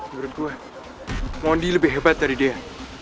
menurut gue mondi lebih hebat dari dia